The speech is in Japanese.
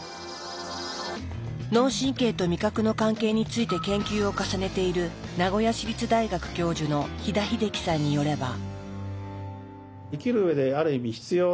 脳神経と味覚の関係について研究を重ねている名古屋市立大学教授の飛田秀樹さんによれば。